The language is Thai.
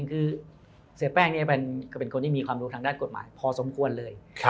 คือเสียแป้งเนี่ยก็เป็นคนที่มีความรู้ทางด้านกฎหมายพอสมควรเลย